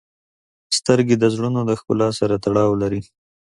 • سترګې د زړونو د ښکلا سره تړاو لري.